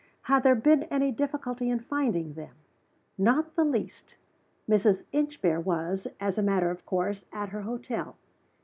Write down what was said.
Had there been any difficulty in finding them? Not the least. Mrs. Inchbare was, as a matter of course, at her hotel.